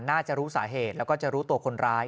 น่าจะรู้สาเหตุแล้วก็จะรู้ตัวคนร้าย